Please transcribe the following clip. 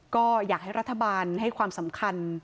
ก็อยากให้รัฐบาลให้ความสำคัญ